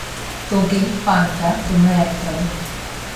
তোগে, Panda, তোমরা একদলে।